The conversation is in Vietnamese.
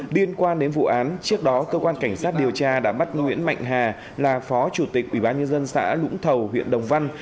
điên quan đến vụ án trước đó cơ quan cảnh sát điều tra đã bắt nguyễn mạnh hà là phó chủ tịch ủy ban nhân dân xã lũng thầu huyện đồng văn